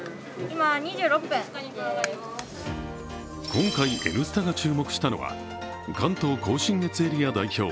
今回「Ｎスタ」が注目したのは関東甲信越エリア代表